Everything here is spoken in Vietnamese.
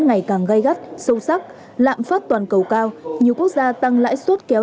ngày càng gây gắt sâu sắc lạm phát toàn cầu cao nhiều quốc gia tăng lãi suất kéo